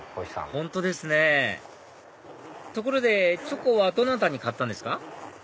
本当ですねところでチョコはどなたに買ったんですか？